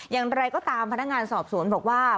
อย่างไรก็ตามพนักงานสอบสวนบอกว่า